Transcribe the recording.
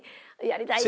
やりたい！」